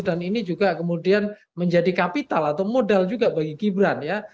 dan ini juga kemudian menjadi kapital atau modal juga bagi gibran ya